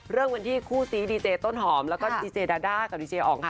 เริ่มกันที่คู่ซีดีเจต้นหอมแล้วก็ดีเจดาด้ากับดีเจอ๋องค่ะ